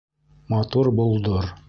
МАТУР БОЛДОР